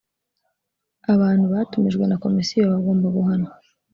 abantu batumijwe na komisiyo bagomba guhanwa.